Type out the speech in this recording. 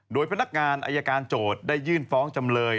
โดยพนักงานอายการโจทย์ได้ยื่นฟ้องจำเลย